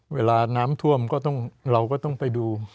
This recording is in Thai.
เวลาน้ำท่วมเราก็ต้องไปดู